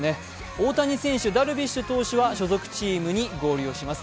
大谷選手、ダルビッシュ投手は、所属チームに帰ります。